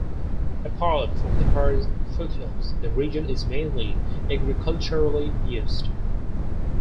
Apart from the Harz foothills the region is mainly agriculturally used.